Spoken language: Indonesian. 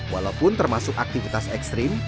walaupun termasuk aktivitas ekstrim